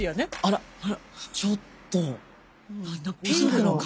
ちょっと！